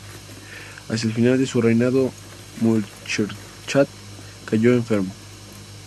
Hacia el final de su reinado, Muirchertach cayó enfermo.